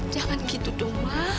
jangan gitu dong ma